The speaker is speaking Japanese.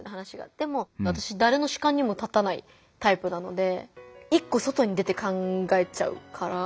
でも私誰の主観にも立たないタイプなので一個外に出て考えちゃうから。